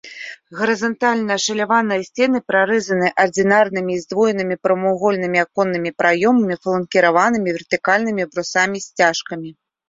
Гарызантальна ашаляваныя сцены прарэзаны адзінарнымі і здвоенымі прамавугольнымі аконнымі праёмамі, фланкіраванымі вертыкальнымі брусамі-сцяжкамі.